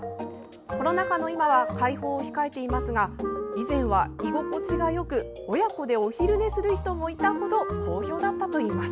コロナ禍の今は開放を控えていますが以前は、居心地がよく親子でお昼寝する人もいた程好評だったといいます。